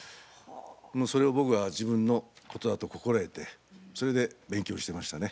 もうそれを僕は自分のことだと心得てそれで勉強してましたね。